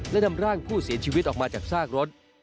และนำร่างผู้เสียชีวิตออกมาจากซากรถ